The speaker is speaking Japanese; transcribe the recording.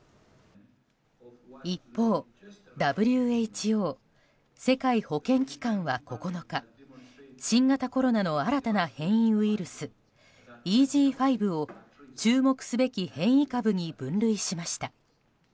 一方、ＷＨＯ・世界保健機関は９日新型コロナの新たな変異ウイルスＥＧ．５を注目すべき変異株に分類しました。